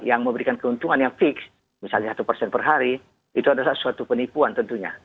yang memberikan keuntungan yang fix misalnya satu persen per hari itu adalah suatu penipuan tentunya